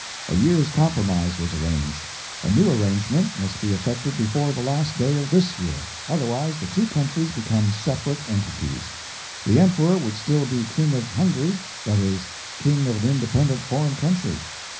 A year's compromise was arranged. A new arrangement must be effected before the last day of this year. Otherwise the two countries become separate entities. The Emperor would still be King of Hungary that is, King of an independent foreign country.